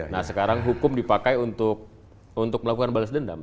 nah sekarang hukum dipakai untuk melakukan balas dendam